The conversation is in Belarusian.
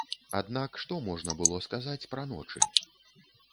Аднак, што можна было сказаць пра ночы?